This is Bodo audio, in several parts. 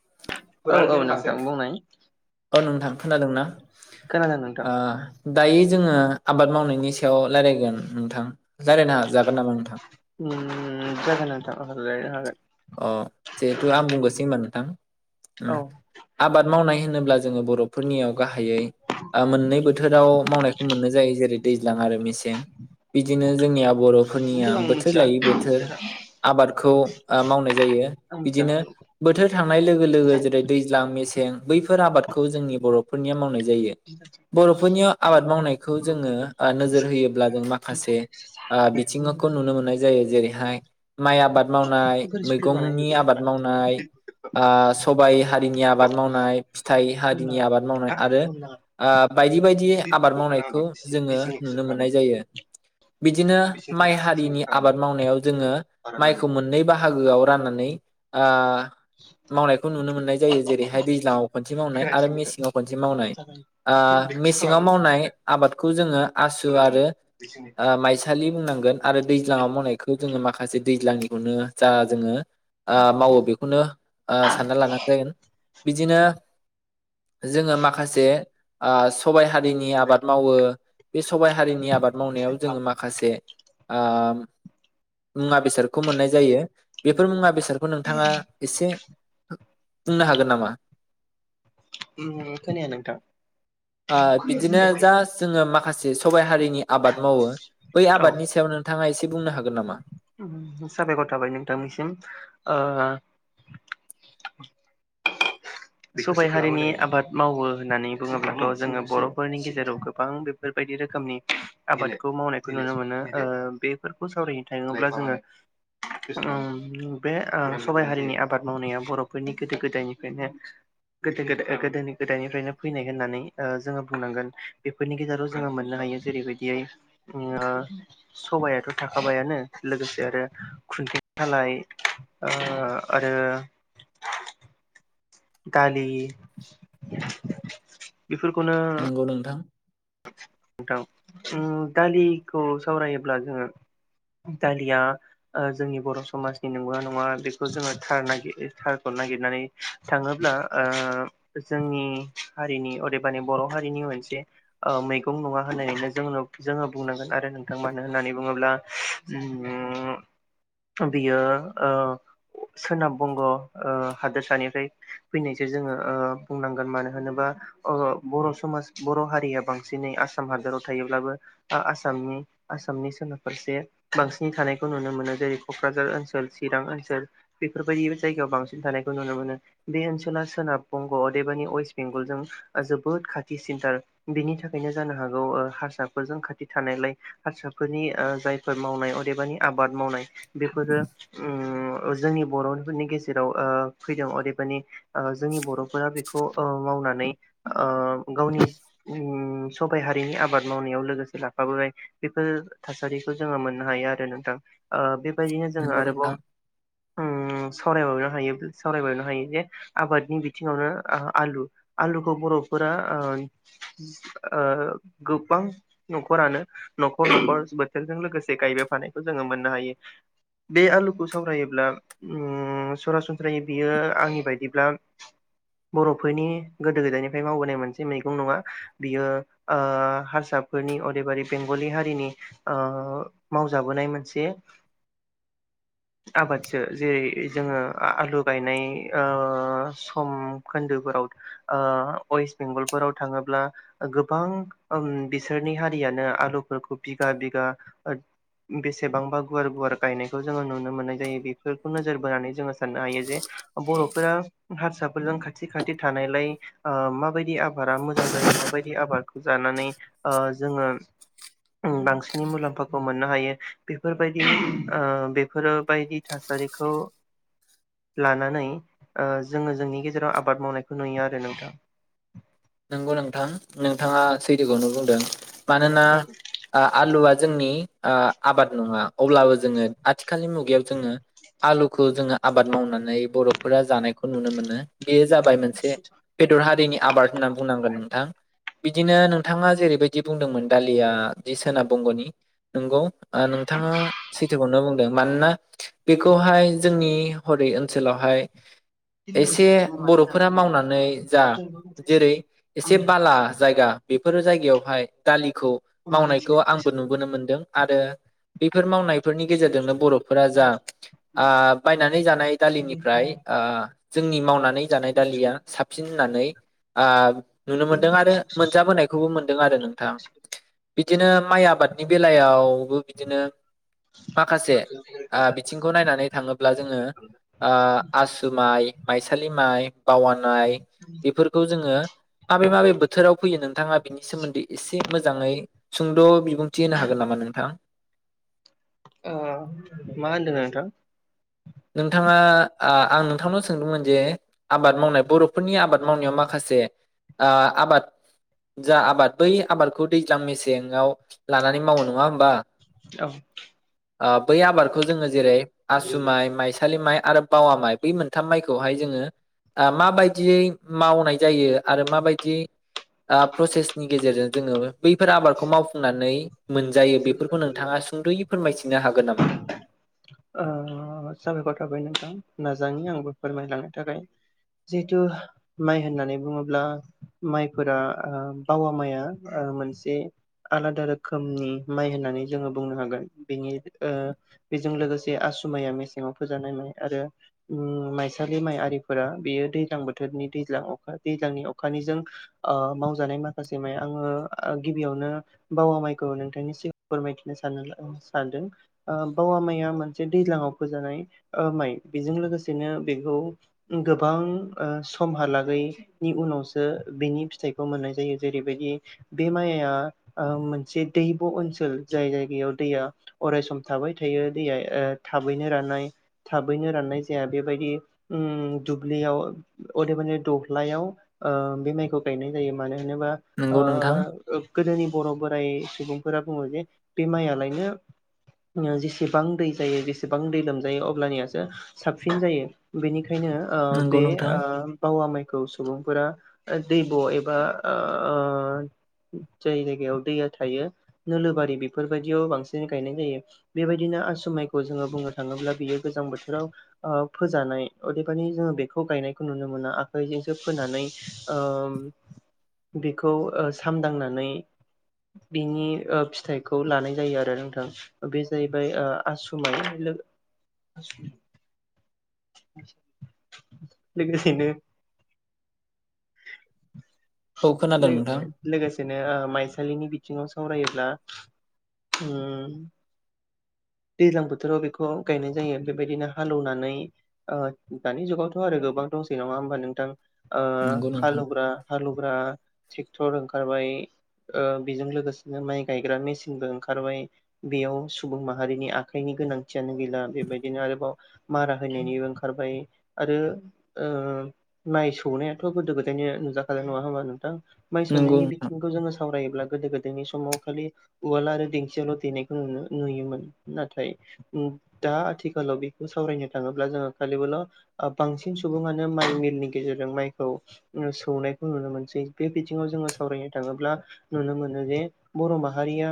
[inaudible] औ नोंथां खोनादोंना? खोनादों नोंथां दायो जोंङो आबाद मावनायनि सायाव रायजलायगोन नोंथां राय्लायनो जागोन नामा नोंथां उम जागोन नोंथां रायलायनो हागोन अ जिहेथु आं बुंगनोसै होनबा नोंथां ओ औ आबाद मावनाय होन होनोब्ला जों बरफोरनियाव गाहायै ओ मोननै बोथोराव मावनाय मोननाय जायो जेरै दैज्लां आरो मेसें बिदिनो जोंनिब बरफोरनिया खिन्थु आं बोथोर मिथिया लायै बोथोर आं आबादखौ मावनाय जायो। मिथिया बिदिनो मा बोथोर थांनाय लोगो लोगो जेरै दैज्लां मेसें बैफोर आबादखौ जोंनि बर'फोरनिया मावनाय जायो। बरफोरनियाव आबाद मावनायखौ जोंङो नोजोर होयोब्ला जों माखासे ओ बिथिङावखौ नुनो मोननाय जायो जेरै फ्राय माइ आबाद मावनाय बोरै मैगंनि संगोन आबाद मावनाय ओ सो सबाय हा रिनि आबाद मावनाय फिथाय बुंनाङा हारिनि आबाद मावनाय आरो बुंनाङा ओ बायदि बायदि आबाद मावनायखौ जोंङो नुनो मोननाय जायो बिदिनो माइ हारिनि आबाद मावनायाव जोंङो माइखौ मोननै बाहा हागोआव राननानै ओ मावनायखौ नुनो मोननाय जायो जेरैहाय दैज्लांङाव खनसे मावनाय आरो मेसेंङाव खनसे मावनाय जागोन ओ मेसेंङाव मावनाय आबादखौ जोंङो आसु आरो ओ माइसालि बुंनांगोन आरो दैज्लाङाव मावनायखो जोंङो माखासे दैज्लांनिखौनो जा जोंङो ओ मावो बेखौनो ओ सानना लाबानो जागोन बिदिनो जोंङो माखासे ओ सबाय हा रिनि आबाद मावो बे सबाय हारिनि आबाद मावनायाव जोंङो माखासे ओ मुवा बेसादखौ मोननाय जायो ‌ बेफोर मुंङा बेसे फोरखौ नोंथांङा इसे बुंनो हागोन नामा? उम खोनाया नोंथां खोनायासो होनबावबाय जे सबाय हारि नि आबाद मावो बै औ आबादनि सायाव नोंथांङा एसे बुंनो हागोन नामा? साबायखर थाबाय नोंथांनिसिम ओ सबाय हारिनि आबाद मावो होननानै बुङोब्लाथ' जोंङो बर'फोरनि गेजेराव गोबां बेफोरबायदि रोखोमनि आबादखौ मावनायखौ नुनो मोनो ओ बेफोरखौ सावरायनो थाङोब्ला जोंङो ओ बे ओ सबाइ हारिनि आबाद मावनाया बर'फोरनि गोदो गोदायनिफायनो गोदो गोदा गोदोनि गोदायनिफायनो फैनाय होननानै ओ जोङो बुंनांगोन बेफोरनि गेजेराव जोंङो मोननो हायो जेरैबायदियै ओ सबायाथ' थाखाबायानो लोगोसे आरो खुन्थि सालाय ओ आरो दालि बिफोरखौनो नंगौ नोंथां थां उम दालिखौ सावरायोब्ला जोंङो दालिया ओ जोंनि बर' समाजनि नंगौ‌ना नंङा बेखौ जोंङो थार नागिर थारखौ नागिरनानै थाङोब्ला ओ जोंनि हारिनि अदेबानि बर' हारिनि मोनसे ओ मैगं नंङा होननानैनो जों जोंङो बुंनांगोन आरो नोंथां मानो होननानै बुङोब्ला उम बियो ओ सोनाब बंग' ओ हादोरसानिफ्राय फैनायसो जोंङो ओ बुंनांगोन मानो होनोबा ओ बर' समाज बर' हारिया बांसिनै आसाम हादराव थायोब्लाबो आसामनि आसामनि सोनाब फारसे बांसिनै थानायखौ नुनो मोनो जेरै क'क्राझार ओनसोल चिरां ओनसोल बेफोरबायदि जायगायाव बांसिन थानायखौ नुनो मोनो बे ओनसोला सोनाब बंग' अदेबानि वेस्ट बेंगलजों जोबोद खाथि सिनथार बिनि थाखायनो जानो हागौ ओ हारसाफोरजों खाथि थानायलाय हारसाफोरनि ओ जायफोर मावनाय अदेबानि आबाद मावनाय बेफोरो उम ओ जोंनि बर'फोरनि गेजेराव ओ फैदों अदेबानि ओ जोंनि बर' फोरा बेखौ ओ मावना नै ओ गावनि उम सबाइ हारिनि आबाद मावनायाव लोगोसे लाफाबोबाय बेफोर थासारिखौ जोंङो मोननो हायो आरो नोंथां ओ बे बेबायदिनो जोंङो नंगौ आरोबाव नोंथाङा उम सावरायबावनो हायो सावरायबावनो हायो जे आबादनि बिथिंङावनो आलु आलुखौ बर'फोरा ओ ओ गोबां न'खरानो न'खर न'खर बोथोरजों लोगोसे गायबायफानायखौ जोंङो मोननो हायो बे आलुखौ सावरायोब्ला उम सरासनस्रायै बियो आंनि बायदिब्ला बर'फोरनि गोदो गोदायनिफ्राय मावबोनाय मोनसे मै गं नङा बियो ओ हारसाफोरनि अदेबारि बेंगलि हारिनि ओ मावजाबोनाय मोनसे आबादसो जेरै जोंङो आलु गायनाय ओ सम खोन्दोफोराव ओ वेस्ट बेंगल फोराव थांङोब्ला गोबां ओम बिसोरनि हारियानो आलुफोरखौ बिगा बिगा ओ बेसेबांबा गुवार गुवार गायनायखौ जोंङो नुनो मोननाय जायो। बेफोरखौ नोजोर बोनानै जोङो साननो हायो जे बर'फोरा हारसाफोरजों खाथि खाथि थानायलाय ओ माबायदि आब बादा मोजां जायो माबायदि आबादखौ जानानै ओ जोंङो बांसिनै मुलाम्फाखौ मोननो हायो बेफोरबायदि ओ बेफोर बायदि थासारिखौ लानानै ओ जोङो जोंनि गेजेराव आबाद मावनायखौ नुयो आरो नोंथां। सैथो खौनो बुंदों मानोना आ-आलुआ जोंनि ओ आबाद नङा अब्लाबो जोङो आथि खालनि मुगायाव जोङो आलुखौ जोङो आबाद मावनानै बर'फोरा जानायखौ नुनो मोनो बेयो जाबाय मोनसे बेदर हारिनि आबाद होननानै गोन नोंथां बिदिनो नोंथाङा जेरैबायदि बुंदोंमोन दालिया जि सेनाब बंगनि नंगौ नोंथाङा सैथोखौनो बुंदों। मानोना बेखौहाय जोंनि हरै ओनसोलावहाय एसे बर'फोरा मावनानै जा जेरै एसे बाला जायगा बेफोरो जायगायाव हाय दालि खौ मावनायखौ आंबो नुबोनो मोनदों आरो बेफोर मावनाय फोरनि गेजेरजोंनो बर'फोरा जा बायनानै जानाय दालिनिफ्राय ओ जोंनि माव नानै जानाय दालिया साबसिन होननानै ओ नुनो मोनदों आरो मोनजाबोनायखौबो मोनदों आरो नोंथां बिदिनो माइ आबाद नि बेलायावबो बिदिनो माखासे बिथिंखौ नायनानै थाङोब्ला जोंङो आसु माइ माइसालि माइ बावानाय बेफोरखौ जोंङो माबे-माबे बोथोराव फैयो नोंथाङा बिनि सोमोन्दै एसे मोजाङै सुंद' बि बुंथि होनो हागोन नामा नोंथां। ओ मा होनदों नोंथां नोंथाङा ओ आं नोंथांनाव सोंदोंमोन जे आबाद मावनाय बर'फोरनि आबाद मावनायाव माखासे ओ आबाद जा आबाद बै आबादखौ दैज्लां मेसेङाव लानानै मावो नङा होमबा औ बै आबादखौ जोंङो जेरै आसु माइ माइसालि माइ आरो बावा माइ बै मोनथाम माइखौहाय जोंङो माबायदियै मावनाय जायो आरो माबायदियै प्रसेसनि गेजेरजों जोंङो बैफोर आबादखौ मावफुंनानै मोनजायो बेफोरखौ नोंथाङा सुंद'यै फोरमायथिनो हागोन नामा। ओ साबायखर थाबाय नोंथां नाजानि आंबो फोरमायलांनो थाखाय जिहेथु माइ होननानै बुङोब्ला माइफोरा बावा माइआ मोनसे आलादा रोखोमनि माइ होननानै जोंङो बुंनो हागोन बेनि बेजों लोगोसे आसुमाइआ मेसेङाव फोजानाय माइ आरो माइसालि माइ आरिफोरा बेयो दैज्लां बोथोरनि दैज्लांखा दैज्लांनि अखानिजों मावजानाय माखासे माइ आंङो गिबियावनो बावा माइखौ नोंथांनि सि म फोरमायथिनो सान-सानदों ओ बावा माइआ मोनसे दैज्लां आव फोजानाय माइ बेजों लोगोसेनो बेखौ गोबां समहालागैनि उनावसो बेनि फिथाइखौ मोननाय जायो जेरैबायदि बे माइआ मोनसे दै ओनसोल जाय जायगायाव दैया अरायस थाबाय थायो दैया थाबैनो राननाय थाबैनो राननाय जाया बेबायदि दुब्लियाव अदेबानि दबलायाव बे माइखौ गायनाय जायो मानो जेनेबा नंगौ नोंथां गोदोनि बर' बोराय [unintelligible] फोरा बुङो जे बे माइलायनो जेसेबां दै जायो जेसेबां दै लोमजायो अब्लानियासो साबसिन जायो बेनि खायनो नंगौ बे नोंथां बावा माइ खौ सुबुंफोरा दै ब' एबा ओ जाय जायगायाव दैया थायो नोलोबारि बेफोरबायदियाव बांसिन गायनाय जायो बेबायदिनो आस माइखौ जोङो बुंनो थाङोब्ला बियो गोजां बोथोराव ओ फोजानाय अदेबानि जोङो बेखौ गायनायखौ नुनो मोना आखाइजोंसो फोनानै ओ बेखौ सामदांनानै बिनि ओ बिनि फिथाइखौ लानाय जायो आरो नोंथां बे जाहैबाय ओ आसुमाय लोगोसेनो औ खोनादों नोंथां लो-लोगोसेनो माइसालिनि बिथिङाव सावरायोब्ला ओ दैज्लां बोथोराव बेखौ गायनाय जायो बेबायदिनो हालेवनानै ओ दानि जुगावथ' आरो गोबां दंसै नङा होमबा नोंथां आ नंगौ नोंथां हालौग्रा हालुग्रा ट्रेक्टर ओंखारबाय ओ बेजों लोगोसेनो माइ गायग्रा मेसिनबो ओंखारबाय बेयाव सुबुं माहारिनि आखाइनि गोनांथियानो गैला बेबायदिनो आरोबाव मारा होनायनिबो ओंखारबाय आरो माइ सौनायाथ' गोदो गोदायनि नुजा नाय नङा होनबा नोंथां नंगौ माइसौनायनि नोंथां बिथिंखौ जोङो सावरायोब्ला गोदो गोदायनि समाव खालि उवला आरो देंसियावल' देनायखौ नुयोमोन नाथाय दा आथिखालाव बेखौ सावरायनो थाङोब्ला जोङो खालिबोल' बांसिन सुबुङानो माइ मिलनि गेजेरजों माइखौ सौनाय नुनो मोनसै बे बिथिङाव जोङो सावरायनो थाङोब्ला नुनो मोनो जे बर' माहारिया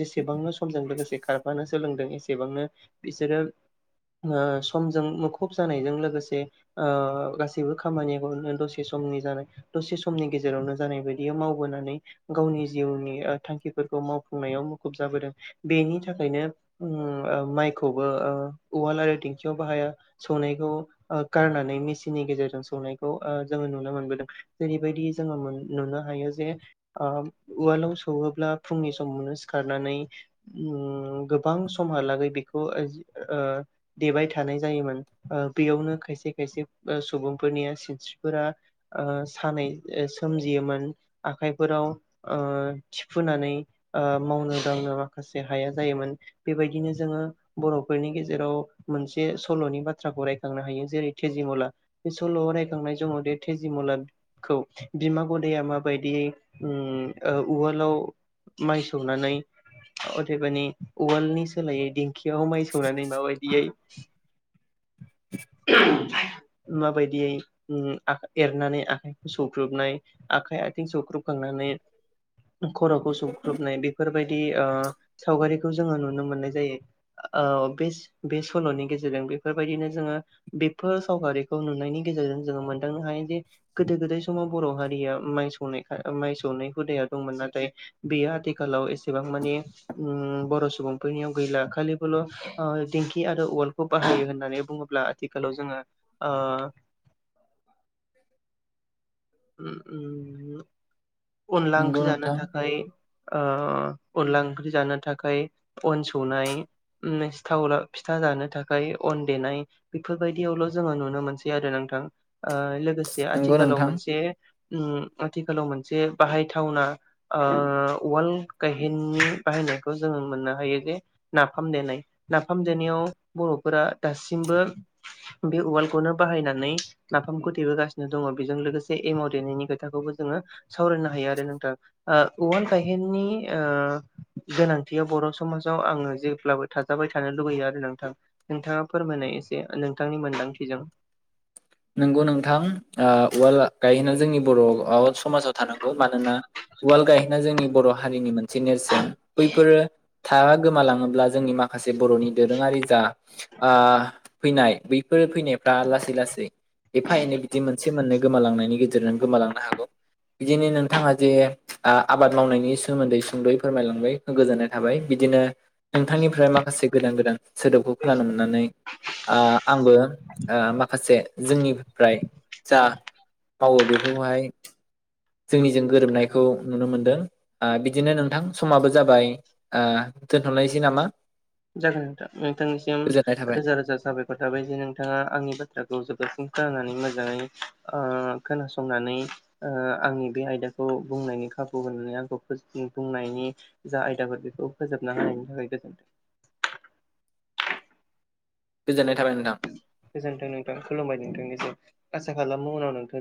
जेसेबांनो समजों लोगोसे खारफानो सोलोंदों एसेबांनो बिसोरो समजों मुखुब जानायजों लोगोसे गासैबो खामानिखौ दसे समनि जानाय दसे समनि गेजेरावनो जानाय बायदियै मावबोनानै गावनि जिउनि थांखिफोरखौ मावफुंनायाव मुखुब जाबोदों बेनि थाखायनो माइखौबो उवाल आरो दिेंखियाव बाहाया सौनायखौ गारनानै मेसिननि गेजेरजों सौनायखौ जोङो नुनो मोनबोदों जेरैबायदि जोङो नुनो हायो जे उवालाव सौहोब्ला फुंनि समावनो सिखारनानै गोबां समहालागै बेखौ देबाय थानाय जायोमोन बेयावनो खायसे खायसे सुबुंफोरनिया सिनस्रिफोरा सानाय सोमजियोमोन आखाइफोराव थिफुनानै मावनो दांनो माखासे हाया जायोमोन बेबायदिनो जोङो बर'फोरनि गेजेराव मोनसे सल'नि बाथ्राखौ रायखांनो हायो जेरै तेजिमुला बे सल'आव रायखांनाय समाव द तेजिमला खौ बिमा गदाया माबायदियै उवालाव माइ सौनानै अदेबानि उवालनि सोलायै दिं खियाव माइ सौनानै माबायदियै [unintelligible] माबायदियै ओ एरनानै आखाइ सौख्रुबनाय आखाइ आथिं सौख्रुबखांनानै खर'खौ सौग्रुबनाय बेफोरबायदि दि सावगारिखौ जोङो नुनो मोननाय जायो बे बे सल'नि गेजेरजों बेफोरबायदिनो जोङो बेफोर सावगारिखौ नुनायनि गेजेरजों जोङो मोनदांनो हायोदि गोदो गोदाय समाव बर' हारिया माइ सौनाय माइ सौनाय हुदाया दंमोन नाथाय बेयो आथिखालाव एसेबां मानि बर' सुबुंफोरनियाव गैला खालिबोल' दिंखि आरो उवालखौ बाहायो होननानै बुङोब्ला आथिखालाव जोङो आ अनला नंगौ ओंख्रि जानो नोंथां थाखाय ओ अनला ओंख्रि जानो थाखाय अन सौनाय ओमसिथावलाव सिथाव फिथा जानो थाखाय अन देनाय बेफोरबायदियावल' जोङो नुनो मोनसै आरो नोंथां लोगोसे नंगौ आथिखालाव नोंथां मोनसे उम आथिखालाव मोनसे बाहायथावना ओ उवाल गायहेननि बाहायनायखौ जोङो मोननो हायो जे नाफाम देनाय नाफाम देनायाव बर'फोरा दासिमबो बे उवालखौनो बाहायनानै नाफाम खथेबोगासिनो दङ बेजों लोगोसे ए एमाव देनायनि खोथाखौबो जोङो सावरायनो हायो आरो नोंथां ओ उवाल गायहेननि ओ गोनांथिया बर' समाजाव आङो जेब्लाबो थाजाबाय थानो लुुबैयो आरो नोंथां नोंथाङा फोरमायनाय एसे नोंथांनि मोनदांथिजों नंगौ नोंथां ओ उवाल गायहोनना जोंनि बर' समाजाव थानांगौ मानोना उवाल गायहोना जोंनि बर' हारिनि मोन से नेरसोन बैफोरो था गोमालाङोब्ला जोंनि माखासे बर'नि दोरोङारि जा आ फैनाय बैफोर फैनायफ्रा लासै लासै एफा एनै बिदि मोनसे मोननै गोमालांनायनि गेजेरजों गोमालांनो हागौ बिदिनो नोंथाङा जे आबाद मावनायनि सोमोन्दै सुंद'यै फोरमायलांबाय गोजोननाय थाबाय बिदिनो नोंथांनिफ्राय माखासे गोदान गोदान सोदोबखौ खोनानो मोननानै आ आंबो ओ माखासे जोंनिफ्राय जा मावो बेखौहाय जोंनिजों गोरोबनायखौ नुनो मोनदों ओ बिदिनो नोंथां समाबो जाबाय ओ दोनथ'नायसै नामा जागोन नोंथां नोंथांनिसिम गोजोननाय थाबाय रोजा रोजा साबायखर थाबाय जे नोंथाङा आंनि बाथ्राखौ जोबजासिम खोनानानै मोजाङै ओ खोनासंनानै ओ आंनि बे आयदाखौ बुंनायनि खाबु होनानै आंखौ बुंनायनि जा आयदाफोर बेखौ फोजोबना हानायनि थाखाय गोजोन्थों। गोजोननाय थाबाय नोंथां। गोजोनथों नोंथां खुलुमबाय नोंथांनिसो आसा खालामो उनाव नोंथां